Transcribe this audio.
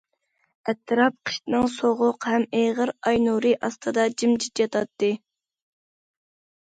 ئەتراپ قىشنىڭ سوغۇق ھەم ئېغىر ئاي نۇرى ئاستىدا جىمجىت ياتاتتى.